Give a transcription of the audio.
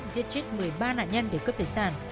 giết chết một mươi ba nạn nhân để cướp tài sản